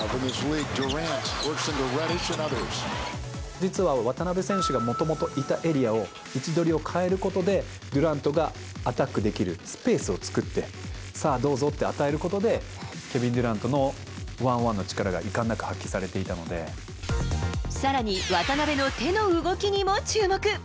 実は渡邊選手がもともといたエリアを、位置取りを変えることで、デュラントがアタックできるスペースを作って、さあ、どうぞって与えることで、ケビン・デュラントの１ｏｎ１の力がいかんなく発揮されていたのさらに、渡邊の手の動きにも注目。